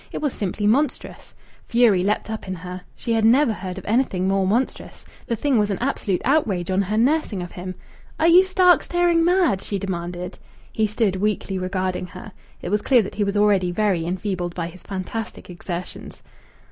It was simply monstrous! Fury leaped up in her. She had never heard of anything more monstrous. The thing was an absolute outrage on her nursing of him. "Are you stark, staring mad?" she demanded. He stood weakly regarding her. It was clear that he was already very enfeebled by his fantastic exertions.